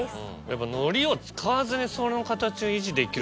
やっぱノリを使わずにその形を維持できるという。